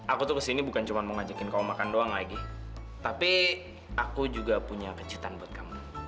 aku tuh kesini bukan cuma mau ngajakin kamu makan doang lagi tapi aku juga punya kejutan buat kamu